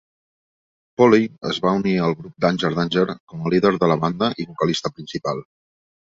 Poley es va unir al grup Danger Danger com a líder de la banda i vocalista principal.